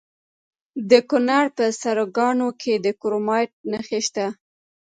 د کونړ په سرکاڼو کې د کرومایټ نښې شته.